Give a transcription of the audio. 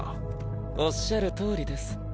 おっしゃるとおりです。